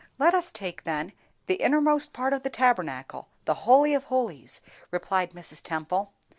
"Let us take, then, the innermost part of the Tabernacle, the Holy of holies," replied Mrs. Temple.